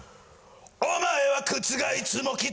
お前は靴がいつも汚い